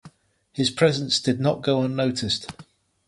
His prescience did not go unnoticed.